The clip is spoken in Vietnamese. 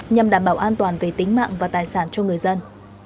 nhằm đảm bảo an toàn về tính mạng và tài sản cho người dân